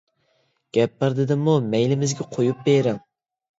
گەپ بار دېدىممۇ، مەيلىمىزگە قويۇپ بېرىڭ.